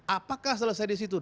apakah selesai disitu